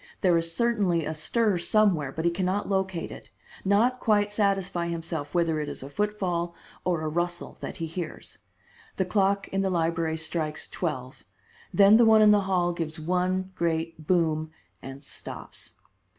There is certainly a stir somewhere, but he can not locate it, not quite satisfy himself whether it is a footfall or a rustle that he hears. The clock in the library strikes twelve, then the one in the hall gives one great boom, and stops.